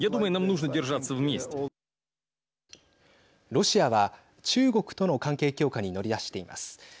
ロシアは、中国との関係強化に乗り出しています。